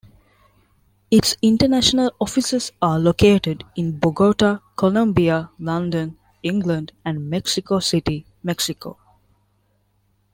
Its international offices are located in Bogota, Colombia, London, England and Mexico City, Mexico.